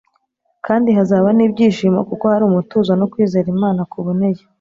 Kandi hazaba n’ibyishimo, kuko hari umutuzo, no kwizera Imana kuboneye.